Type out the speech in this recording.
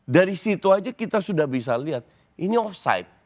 dari situ aja kita sudah bisa lihat ini offside